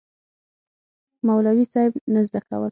مولوي صېب نه زده کول